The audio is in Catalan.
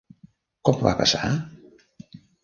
Com va passar?